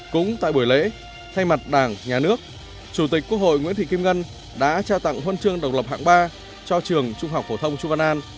cũng tại buổi lễ thay mặt đảng nhà nước chủ tịch quốc hội nguyễn thị kim ngân đã trao tặng huân chương độc lập hạng ba cho trường trung học phổ thông chu văn an